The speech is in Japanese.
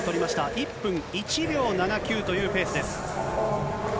１分１秒７９というペースです。